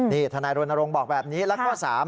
นี่ทนายรณรงค์บอกแบบนี้และข้อ๓